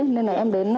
nên là em đến mua